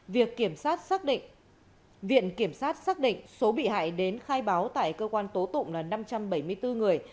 việc kiểm soát xác định viện kiểm sát xác định số bị hại đến khai báo tại cơ quan tố tụng là năm trăm bảy mươi bốn người